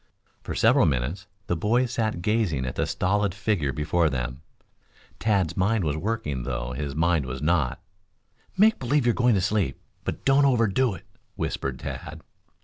For several minutes the boys sat gazing at the stolid figure before them. Tad's mind was working, though his body was not. "Make believe you're going to sleep, but don't overdo it," whispered Tad.